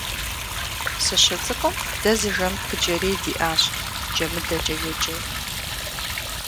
СыщыцӀыкум, дэ зы жэм пыджэрей диӀащ, ДжэмыдэкӀэ еджэу.